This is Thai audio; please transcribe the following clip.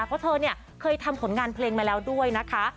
เพราะเธอเนี่ยเคยทำผลงานเพลงมาแล้วด้วยนะคะ